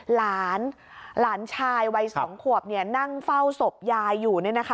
หลานชายวัย๒คนควบนั่งเฝ้าศพยายอยู่